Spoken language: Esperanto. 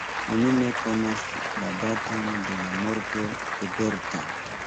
Oni ne konas la daton de la morto de Berta.